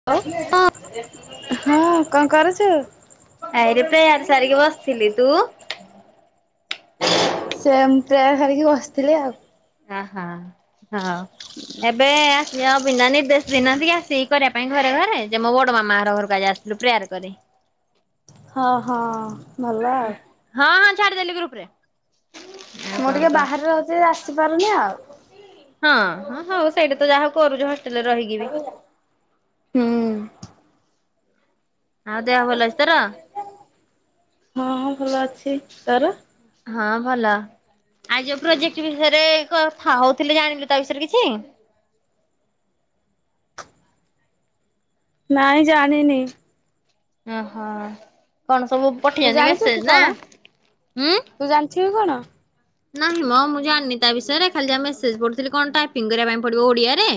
[unintelligible] ହଁ କଣ କରୁଛୁ? ହଁ। ଆଇରେପା ସାରିକି ବସିଥିଲି ତୁ? ସେମ୍ ପ୍ରେୟାର କରିକି ବସିଥିଲି ଆଉ। ହଁ ହଁ ହଉ। ଏବେ ଆସ ଆଉ ବିନା ନିର୍ଦ୍ଦେଶ ଦେଇନାହାନ୍ତି ଆସିକି କରିବା ପାଇଁ ଘରେ ଘରେ ଯେ ମୋ ବଡ଼ ମାମା ଘରକୁ କାଲି ଆସି ଯୋଉ ପ୍ରେୟାର କରି। ହଁ ହଁ ଭଲ ଆଉ। ହଁ ହଁ ଛାଡ଼ିଦେଲି ଗ୍ରୁପରେ। ଆଉ ମୁଁ କଣ ଟିକେ କହ? ବାହାରେ ରହୁଚି ଆସିପାରୁନି ଆଉ। ହଁଁ ହଉ ସେଇଠିତ ଯାହା କରୁଚି ହଷ୍ଟେଲରେ ରହିକିବି ହୁଁ। ହଁ ଦେହ ଭଲ ଅଛି ତର? ହଁ ଭଲ ଅଛି ତର? ହଁ ଭଲ। ଆ ଯୋଉ ପ୍ରୋଜେକ୍ଟ ବିଷୟରେ କଥା ହଉଥିଲେ ଜାଣିଲୁ ତାବିଷୟରେ କିଛି? ନାଇଁ ଜାଣିନି। ଓହୋ କଣ ସବୁ ତୁ ପଠେଇଛନ୍ତି ଜାଣିଛୁ କି ମେସେଜନା କଣ ଉଁ। ତୁ ଜାଣିଛୁ କି କଣ? ନାହିଁମଁ ମୁଁ ଜାଣିନି ତାବିଷୟରେ ଖାଲି ଯାହା ମେସେଜ୍ ପଢୁଥିଲି କଣ ଟାଇପିଂ କରିବା ପାଇଁ ପଡ଼ିବ ଓଡିଆରେ?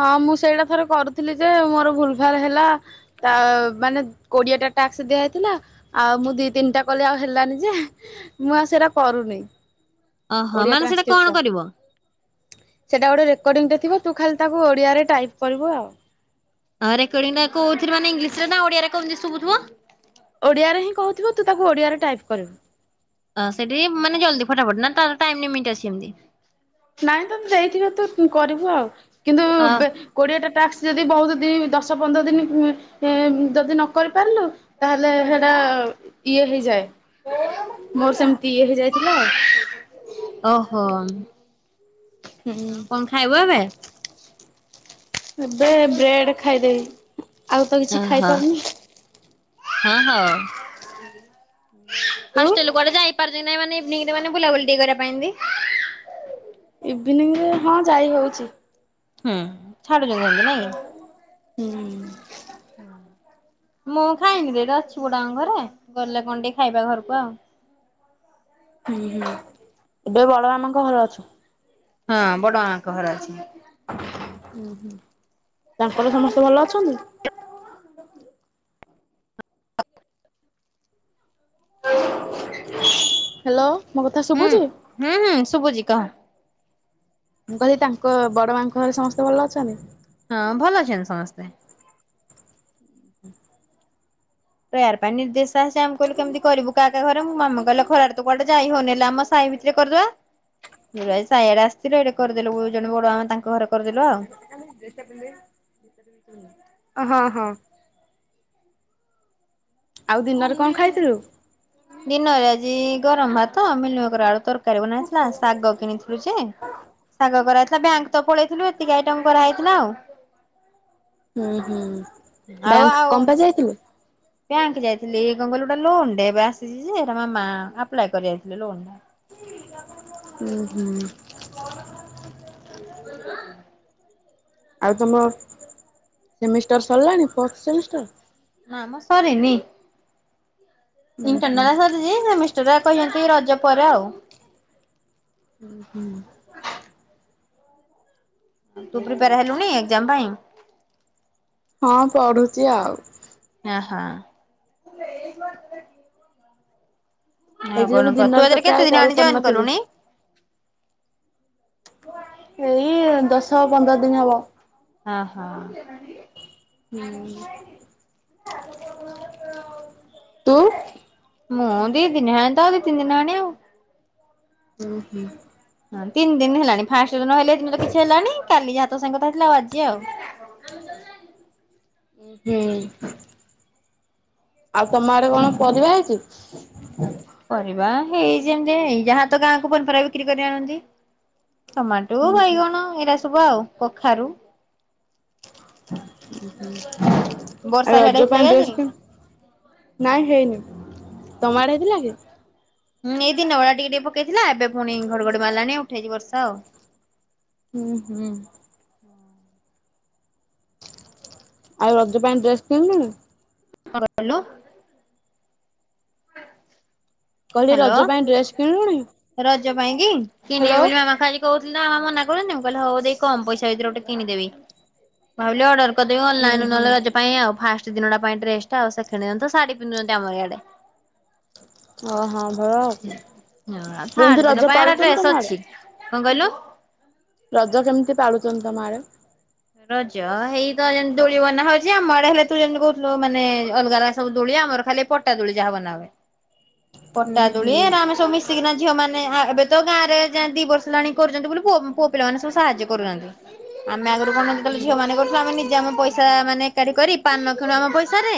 ହଁ ମୁଁ ସେଇଟା ଥରେ କରୁଥିଲିଯେ ମୋର ଭୁଲ୍ ଭଲ୍ ହେଲା ତା ମାନେ କୋଡ଼ିଏଟା ଟାକ୍ସ ଦିଆ ହେଇଥିଲା ଆଉ ମୁଁ ଦି ତିନିଟା କଲେ ଆଉ ହେଲାନି ଯେ ମୁଁ ଆଉ ସେଇଟା କରୁନି ଓହୋ ଓଡ଼ିଆ ମାନେ ସେଇଟା କଣ ଟ୍ରାନ୍ସକ୍ରିପସନ୍ କରିବ? ସେଇଟା ଗୋଟେ ରେକର୍ଡିଙ୍ଗଟ ଥିବ ତୁଖାଲି ତାକୁ ଓଡିଆରେ ଟାଇପ୍ କରିବୁ ଆଉ। ହ ରେକର୍ଡିା କଉଥିରେ ମାନ ଇଂଲିଶରେ ନା ଓଡିଆରେ କେମିତି ଶୁବୁଥିବ? ଓଡ଼ିଆରେ ହିଁ କହୁଥିବ ତୁତାକୁ ଓଡ଼ିଆରେ ଟାଇପ୍ କରିବୁ। ଅଁ ସେଠି ମାନେ ଜଲଦି ଫଟାଫଟ୍ ନା ତାର ଟାଇମମି ଆଛି ଏମିତି? ନାଇଁ ତମେ ଦେଇଥିବ ତୁ କରିବୁ ଆଉ କିନ୍ତୁ ଅ ବେ କୋଡ଼ିଏଟା ଟାସ୍କ ଯଦି ବହୁତ୍ ଦିନ୍ ଦଶ ପନ୍ଦର ଦିନ ଉ ଯଦି ନକରିପାରିଲୁ ତାହେଲେ ହେଟା ଇଏ ହେଇଯାଏ ମୋର ସେମିତି ଇଏ ହେଇଯାଇଥିଲା ଓହୋ ଆଉ କଣ ଖାଇବୁ ଏବେ? ଏବେ ବ୍ରେଡ୍ ଖାଇଦେବି। ଆଉ ତ କିଛି ଓହୋ ହ ଖାଇପାରୁନି। ହୋଉ ତୁ ହଷ୍ଟେଲକୁ କୁଆଡ଼େ ଯାଇପାରୁନି ନାଇଁ ମାନେ ଇଭିନଂରେ ମାନେ ବୁଲାବୁଲି ଟିକେ କରିବା ପାଇବି? ଇଭିନିଂରେ ହଁ ଯାଇ ହେଉଚି। ହୁଁ ଛାଡ଼ୁଚ ଯେମିତି ନାଁକି? ହୁଁ ମୁଁ ଖାଇନି ଦଟି ଅଛି ବୋଉଟାଙ୍କ ଘରେ ଗଲେ କଣ ଟିକେ ଖାଇବା ଘରକୁ ଆଉ। ହୁଁ ହୁଁ ଏବେ ବଡ଼ ମାମାଙ୍କ ଘର ଅଛ। ହଁ ବଡ଼ ମାମାଙ୍କ ଘରେ ଅଛି। ଉଁ ହୁଁ ତାଙ୍କର ସମସ୍ତେ ଭଲ ଅଛନ୍ତି? ହାଲୋ ମୋ କଥା ହୁଁ ଶୁବୁଚି? ହୁଁ ହୁଁ ଶୁବୁଚି କଁହ। ମୁଁ କହିଲି ତାଙ୍କ ବଡ଼ ମାଙ୍କ ଘରେ ସମସ୍ତେ ଭଲ ଅଛନ୍ତି? ହଁ ଭଲ ଅଛନ୍ତି ସମସ୍ତେ। ପ୍ରେୟାର୍ ପାଇଁ ନିର୍ଦେଶା ସେ ଆମ କଇଲୁ କେମିତି କରିବୁ କା କା ଘରେ ମୋ ମାମା କଇଲା ଖରାରେ ତୁ କୁଆଡ଼େ ଯାଇ ହଉନେଲା ଆମ ସାାଇ ଭିତରେ କରିଦବା। [unintelligible] ଇଆଡେ ଆସିଥିଲେ ଏଇଟେ କରିଦେଲୁ ଗୁରୁଜନ ବଡ ମା ତାଙ୍କ ଘରେ କରିଦେଲୁ ଆଉ। ହଁ, ହଁ। ଆଉ ଦିନରେ କଣ ଖାଇଥିଲୁ? ଦିନରେ ଆଜି ଗରମ ଭାତ ମିଲମଙ୍କର ଆଳୁ ତରକାରୀ ବନାହେଇଥିଲା, ଶାଗ କିଣିଥିଲୁ ଯେ ଶାଗ କରାହେଇଥିଲା, ବ୍ୟାଙ୍କ୍ ତ ପଳେଇଥିଲୁ ଏତିକି ଆଇଟମ କରାହେଇଥିଲା ଆଉ। ହୁଁ, ହୁଁ ବ୍ୟାଙ୍କ୍ କଣ ପାଇଁ ଯାଇଥିଲେ? ବ୍ୟାଙ୍କ୍ ଯାଇଥିଲି ଏ କଣ କଇଲୁ ଗୋଟେ ଲୋନ୍ ଟେ ଏବେ ଆସିଛି ଯେ ଏଟା ମାମା ଆପ୍ଲାଏ କରି ଯାଇଥିଲେ ଲୋନ୍ ଟା। ଉଁ, ହୁଁ। ମାମା ଆଉ ତୋମ ସେମିଷ୍ଟର ସରିଲାଣି ଫର୍ଥ ସେମିଷ୍ଟାର? ନା ମୋ ସରିନି। ଉଁ ହୁଁ ଇଣ୍ଟରନାଲ୍ ସରିଚି, ସେମିଷ୍ଟାର କହିଛନ୍ତି ରଜ ପରେ ଆଉ। ହୁଁ, ହୁଁ। ତୁ ଭଲ ଆଉ। ପ୍ରିପେୟାର୍ ହେଲୁଣି ଏକ୍ଜାମ୍ ପାଇଁ। ହଁ ପଢୁଚି ଆଉ। ଏଁ, ହଁ। [unintelligible] ଆଉ ସେଇଥି ଯୋଗୁ କଣ କହ? ଦିନରେ ତୁ ଏଥରେ ତତେ ଆଉ କେତେ ଦିନ କଲ୍ ଆଣି ଜଏନ୍ କରିନଥିଲି। କଲୁଣି? ଏଇ ଦଶ ପନ୍ଦର ଦିନ ହବ। ହଁ, ହଁ। ହୁଁ, ତୁ ମୁଁ ଦି ଦିନି ହେଲାଣି ତ ଦି ତିନି ଦିନ ହେଲାଣି। ଉଁ, ହୁଁ। ହଁ ତିନ ଦିନ ହେଲାଣି ଫାଷ୍ଟ ଦିନ ହେଲେ ତ କିଛି ହେଲାନି, କାଲି ଯାହା ତ ସାଙ୍ଗ କଥା ହଉଥିଲା ଆଉ ଆଜି ଆଉ। [unintelligible] ଉଁ, ହୁଁ। ଆଉ ତୋମ ଆଡ଼େ କଣ ପରିବା ହେଇଚି। ପରିବା ହେଇ ଯେମିତି ଏ ଯାହା ତ ଗାଁକୁ ପନିପରିବା ବିକ୍ରି କରି ଆଣନ୍ତି। ଟମାଟୋ ବାଇଗଣ ଏଇରା ସବୁ ଆଉ କଖାରୁ। ବର୍ଷା ଆଉ ହିଆଡେ ରଜ ହେଇଥିଲା ପାଇଁ ଆଜି? ଡ୍ରେସ୍ କି ନାଇଁ ହେଇନି, ତୋମ ଆଡେ ହେଇଥିଲା କି? ଉଁ, ଏଇ ଦିନବେଳା ଟିକେ ଟିକେ ପକେଇଥିଲା, ଏବେ ପୁଣି ଘଡଘଡି ମାରିଲାଣି ଉଠେଇଚି ବର୍ଷା ଆଉ। ହୁଁ, ହୁଁ। [unintelligible] ଆଉ ରଜ ପାଇଁ ଡ୍ରେସ୍ କିଣିଲୁଣି। କଣ କହିଲୁ? କହିଲି ହ୍ୟାଲୋ, ରଜ ପାଇଁ ଡ୍ରେସ୍ କିଣିଲୁଣି? ରଜ ପାଇଁ କି କିଣିବି ହ୍ୟାଲୋ। ବୋଲି ମାମା ଖାଲି କୋଉଦିନ ମାମା ମନା କରନ୍ତି, ମୁଁ କହିଲି ହଉ ଯାଇ କମ ପଇସା ଭିତରେ ଗୋଟେ କିଣିଦେବି। ଭାବିଲି ଅର୍ଡ଼ର କରିଦେବି ହୁଁ ଅନଲାଇନ୍ ରୁ ହୁଁ ନହେଲେ ରଜ ପାଇଁ ଆଉ ଫାଷ୍ଟ ଦିନଟା ପାଇଁ ଡ୍ରେସ୍ ଟା ଆଉ ସେକେଣ୍ଡ ଦିନ ତ ଶାଢୀ ପିନ୍ଧୁଚନ୍ତି ଆମର ଇଆଡେ। ଅ, ହଁ ଭ ହୁଁ, ହଁ ଥର୍ଡ ଦିନ ପାଇଁ ମୋର ପାଳୁଛନ୍ତି ତମ ଡ୍ରେସ୍ ଆଡେ? ଅଛି। କଣ କହିଲୁ? ରଜ କେମିତି ପାଳୁଚ଼ନ୍ତି ତୋମ ଆଡ଼େ? ରଜ ହେଇ ତ ଯେମିତି ଦୋଳି ବନା ହଉଛି, ଆମ ଆଡେ ହେଲେ ତୁ ଯେମତି କହୁଥିଲୁ, ମାନେ ଅଲଗା ଅଲଗା ସବୁ ଦୋଳି। ଆମର ଖାଲି ପଟା ଦୋଳି ଯାହା ବନା ହୁଏ ହୁଁ ପଟା ହୁଁ ଦୋଳି ଆମେ ସବୁ ମିଶ୍ ମିଶିକିନା ଝିଅମାନେ ହଁ ଏବେ ତ ଗାଆଁରେ ଯେମିତି ଦି ବର୍ଷ ହେଲାଣି କରୁଛନ୍ତି ବୋଲି ପୁଅ ପୁଅ ପିଲାମାନେ ସବୁ ସାହାଯ୍ୟ କରୁଛନ୍ତି। ଆମେ ଆଗରୁ କଣ ନା ଯେତେବେଳେ ଝିଅମାନେ କରୁ ଛୁଆମାନେ ନିଜେ ଆମେ ପଇସା ମାନେ ଏକାଠି କରି ପାନ କିଣୁ ଆମ ପଇସାରେ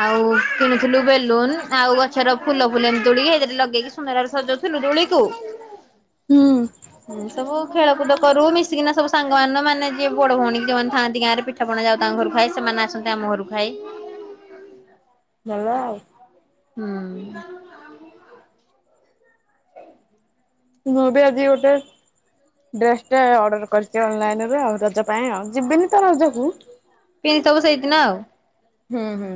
ଆଉ କିଣୁଥିଲୁ ବେଲୁନ୍ ଆଉ ଗଛର ଫୁଲ ଫୁଲ ଏମିତି ତୋଳି ସେଠି ଲଗେଇକି ସୁନ୍ଦରରେ ସଜଉଥିଲୁ ଦୋଳିକୁ। ହୁଁ। ହୁଁ ସବୁ ଖେଳକୁଦ କରୁ ମିଶିକିନା ସବୁ ସାଙ୍ଗମାନ ମାନେ ଯିଏ ବଡ ଭଉଣୀ ଯେଉଁମାନେ ଥାଆନ୍ତି ଗାଆଁରେ ପିଠ୍ ପିଠାପଣା ଯାଉ ତାଙ୍କ ଘରକୁ ଖାଇ ସେମାନେ ଆସନ୍ତି ଆମ ଘରକୁ ଖାଇ। ଭଲ ଆଉ। ହୁଁ। ମୁଁ ବି ଆଜି ଗୋଟେ ଡ୍ରେସଟେ ଅର୍ଡର କରିଛି ଅନଲାଇନରୁ ଆଉ ରଜ ପାଇଁ ଆଉ, ଯିବିନି ତ ରଜକୁ। ପିନ୍ଧିଥିବୁ ସେଇଦିନ ଆଉ। ହୁଁ ହୁଁ।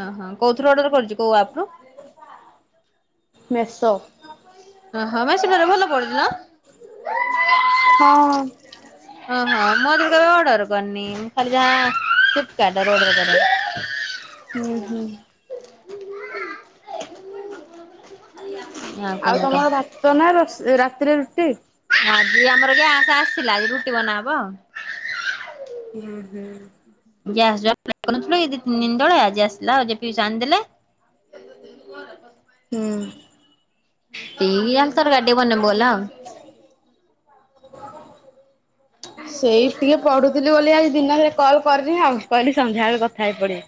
ଅଁହଁ କୋଉଥୁରୁ ଅର୍ଡର କରିଛୁ କୋଉ ଆପ୍ ରୁ? ମେସୋ। ଓହୋଃ ମେସୋ [unintelligible] ରୁ ଭଲ ପଡୁଛି ନା? ହଁ ହଁ। ଓହୋଃ ମୁଁ ଆଦେହରୁ ଅର୍ଡର କରିନି ଖାଲି ଯାହା ପ୍ଲିପ୍ କାର୍ଟରୁ ଅର୍ଡର କରେ। ହୁଁ ହୁଁ। ଆଉ କଣ କହ? ତମର ଭାତ ନା ରୋଷ୍ ରାତିରେ ରୁଟି? ଆଜି ଆମର ଗ୍ୟାସ୍ ଆସିଲା ଆଜି ରୁଟି ବନା ହବ ଆଉ। ହୁଁ ହୁଁ। ଗ୍ୟାସ୍ ଯୋଉ ଆପ୍ଲାଏ କରି ନଥିଲୁ କି ଏଇ ଦି ତିନ ଦିନ ତଳେ ଆଜି ଆସିଲା ଯେ ପିଇସା ଆଣିଦେଲେ। ହୁଁ। ଏଇ ୟାଙ୍କର [unintelligible] ବୋଲୋ। ସେଇ ଟିକେ ପଢୁ ଥିଲି ବୋଲି ଆଜି ଦିନ ସାରା କଲ କରିନି ଆଉ କହିଲି ସନ୍ଧ୍ୟାବେଳେ କଥା ହେଇ ପଡିବି।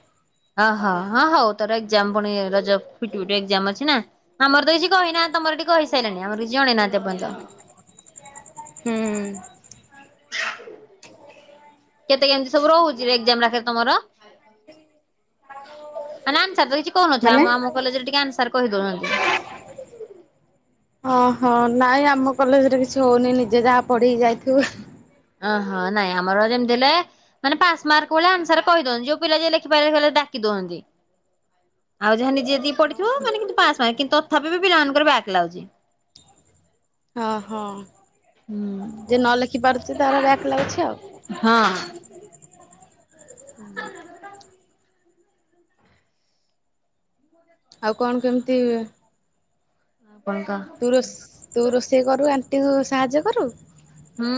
ଅହ ହଁ ହଉ ତୋର ଏକ୍ଜାମ ପୁଣି ରଜ ଫିଟୁ ଫିଟୁ ଏକ୍ଜାମ ଅଛି ନା? ଆମର ତ କିଛି କହିନାହାନ୍ତି ତମର ସେଠି କହି ସାହିଲେଣି, ଆମର କିଛି ଜଣେଇନାହାନ୍ତି ଏପର୍ଯ୍ଯନ୍ତ। ହୁଁ। କେତେ କେମିତି ସବୁ ରହୁଛିରେ ଏକ୍ଜାମ [unintelligible] ତମର? ମାନେ ଆନ୍ସର ତ କିଛି କହୁନଥିବେ ମାନେ? ଆମ ଆମ କଲେଜରେ ଟିକେ ଆନ୍ସାର କହି ଦଉଛନ୍ତି। ହଁ ହଁ ନାଇଁ ଆମ କଲେଜରେ କିଛି ହଉନି ନିଜେ ଯାହା ପଢିକି ଯାଇଥିବୁ। ଅହଁ ନାଇଁ ଆମର ଯେମିତି ହେଲେ ମାନେ ପାସ୍ ମାର୍କ ଭଳିଆ ଆନ୍ସର କହି ଦଉଛନ୍ତି ଯୋଉ ପିଲା ଯିଏ ଲେଖି ପାରିଲା ପାରିଲାନି ଡ଼ାକି ଦଉଛନ୍ତି। ଆଉ ଯାହା ନିଜେ ଯେତିକି ପଢ଼ିଥିବ ମାନେ କିନ୍ତୁ ପାସ୍ ମାର୍କ କିନ୍ତୁ ତଥାପି ବି ପିଲାମାନଙ୍କର ବ୍ୟାକ୍ ଲାଗୁଛି। ହଁ ହଁ, ହୁଁ ଯେ ନ ଲେଖିପାରୁଛି ତାର ବ୍ୟାକ୍ ଲାଗୁଛି ଆଉ। ହଁ। ହୁଁ। ଆଉ କଣ କେମିତି କଣ କହ? ତୁ ରୋଷ୍ ତୁ ରୋଷେଇ କରୁ ଆଣ୍ଟିକୁୁ ସାହାଯ୍ୟ କରୁ? ହୁଁ,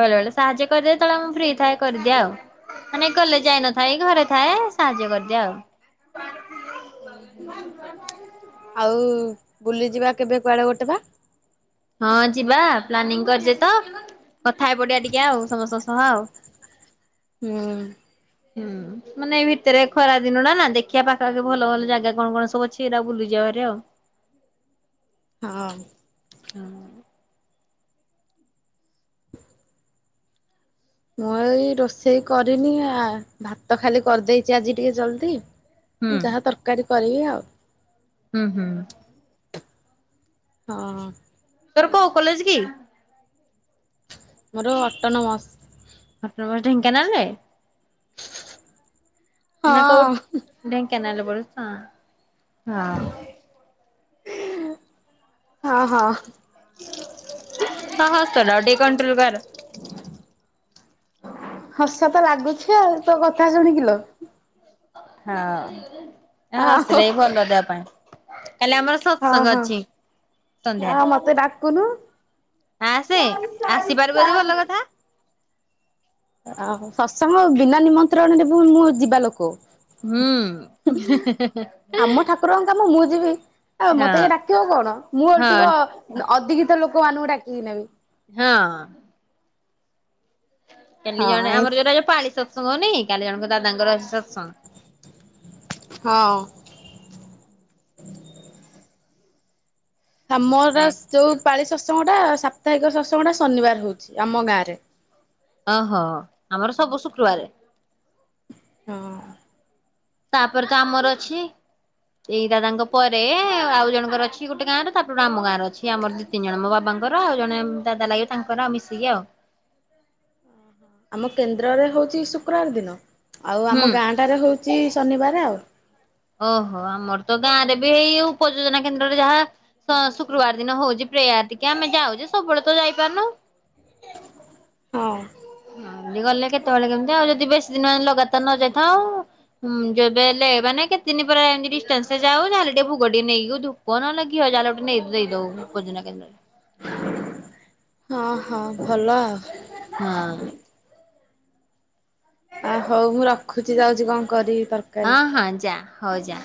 ବେଳେବେଳେ ସାହାଯ୍ୟ କରିଦିଏ ଯେତେବେଳେ ମୁଁ ଫ୍ରି ଥାଏ କରିଦିଏ ଆଉ। ମାନେ କଲେଜ ଯାଇନଥାଏ ଘରେ ଥାଏ ସାହାଯ୍ୟ କରିଦିଏ ଆଉ। ଆଉ ବୁଲିଯିବା କେବେ କୁଆଡେ ଗୋଟେ ବା। ହଁ ଯିବା ପ୍ଲାନିଂ କରିଚେ ତ। କଥା ହେଇ ପଡିଆ ଟିକେ ଆଉ ସମସ୍ତଙ୍କ ସହ ଆଉ। ହୁଁ। ହୁଁ। ମାନେ ଏଇ ଭିତେରେ ଖରା ଦିନ ଟା ନା ଦେଖିଆ ପାଖାପାଖି ଭଲ ଭଲ ଜାଗା କଣ କଣ ସବୁ ଅଛି ଏରା ବୁଲିଯିଆ ଭାରି ଆଉ। ହଉ। ହଁ। ମୁଁ ଏଇ ରୋଷେଇ କରିନି ଆ ଭାତ ଖାଲି କରିଦେଇଚି ଆଜି ଟିକେ ଜଲଦି। ଯାହା ତରକାରୀ କରିବି ଆଉ। ହୁଁ ହୁଁ। ହଁ। ତର କଉ କଲେଜ ଗି? ମୋର ଅଟନମସ। ଅଟମ ଢେଙ୍କାନାଳ ରେ ହଁ ନା କଉଠି? ଢେଙ୍କାନାଳ ରେ ପଢୁ ହଁ ହଁ। ହଁ ହଁ। ହ ହସଡାକୁ ଟିକେ କଣ୍ଟ୍ରୋଲ କର। ହସ ତ ଲାଗୁଚି ଆଉ ତୋ କଥା ଶୁଣିକିଲୋ। ହଁ ହଁ ଆଉ ହସିଦେଇ ଭଲ ଦେହ ପାଇଁ। କାଲି ଆମର ହଁ ସତସଙ୍ଗ ହଁ ଅଛି। ସନ୍ଧ୍ୟାରେ ଆଉ ମତେ ଡାକୁନୁ ଆସେ ଆସିପାରିବୁ ଯଦି ଭଲ କଥା। ଓ ହ ସତ୍ସଙ୍ଗ ବିନା ନିମନ୍ତ୍ରଣ ଣେ ମୁଁ ମୁଁ ଯିବା ଲୋକ। ହୁଁ ହେ ହେ ହେ। ଆମ ଠାକୁରଙ୍କ କାମ ମୁଁ ଯିବି ଆଉ ହଁ ମତେ କିଏ ଡାକିବ କଣ ମୁଁ ହଁ ଓଲଟି କହ ଅଧିକିତ ଲୋକମାନଙ୍କୁ ଡାକିକି ନେବି। ହଁ। କାଲି ଜଣେ ହଁ ଏ ଆମର ଯୋଉରା ଯୋ ପାଳି ସତ୍ସଙ୍ଗ ହଉନି କି କାଲି ଜଣଙ୍କ ଦାଦଙ୍କର ସତ୍ସଙ୍ଗ। ହଁ। ଆମର ଯୋଉ ପାଳି ସତ୍ସଙ୍ଗଟା ସାପ୍ତାହିକ ସତ୍ସଙ୍ଗଟା ଶନିବାର ରହୁଚି ଆମ ଗାଁରେ। ଓହୋ ଆମର ସବୁ ଶୁକ୍ରବାରେ। ହଁ। ତାପରେ ତ ଆମର ଅଛି। ଏଇ ଦାଦାଙ୍କ ପରେ ଆଉ ଜଣଙ୍କର ଅଛି ଗୋଟେ ଗାଁରେ ତାପରେ ଆମ ଗାଁ ର ଅଛି ଆମର ଦି ତିନି ଜଣ ମୋ ବାବାଙ୍କର ଆଉ ଜଣେ ଦାଦା ଲାଗିବେ ତାଙ୍କର ଆଉ ମିଶିକି ଆଉ। ଆମ କେନ୍ଦ୍ରରେ ହଉଛି ଶୁକ୍ରବାର ଦିନ ଆଉ ହୁଁ। ଆମ ଗାଁ ଟାରେ ହଉଚି ଶନିବାର ଆଉ। ଓହୋ ଆମର ତ ଗାଁ ରେ ବି ଏଇ ଉପଯୋଜନା କେନ୍ଦ୍ରରେ ଯାହା ଶୁକ୍ରବାର ଦିନ ହଉଛି ପ୍ରେୟାର ଟିକେ ଆମେ ଯାଉଜୁ ସବୁବେଳେ ତ ଯାଇପାରୁନୁ। ହଁ ଯେ ଗଲେ କେତେବେଳେ କେମିତି ଆଉ ଯଦି ବେଶୀ ଦିନେ ଲଗାତାର ନ ଯାଇଥାଉ ହୁଁ ଯେବେ ହେଲେ ଏ ମାନେ କେତେ ଦିନ ପରେ ଏମତି ଡିଷ୍ଟାନ୍ସ ରେ ଯାଉ ଯାହେଲେ ଟିକେ ଭୋଗ ଟିକେ ନେଇକି ଧୁ ପ ନ ହେଲେ ଘିଅ ଯାହେଲେ ଗୋଟେ ନେଇକି ଦେଇଦଉ ଖୋଜନା କେନ୍ଦ୍ରରେ। ହଁ ହଁ ଭଲ ଆଉ। ହଁ। ଆ ହଉ ମୁଁ ରଖୁଚି। ଯାଉଚି କଣ କରିବି ତର ହଁ ହଁ ଯା ହଉ ଯା।